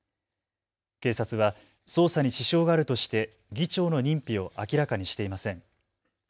警察は捜査に支障があるとして議長の認否を明らかにしていません。